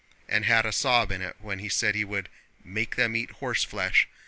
and had a sob in it when he said he would 'make them eat horseflesh!